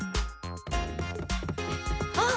あっ。